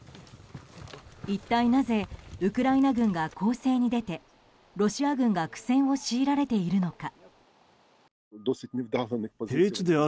一体なぜウクライナ軍が攻勢に出てロシア軍が苦戦を強いられているのか。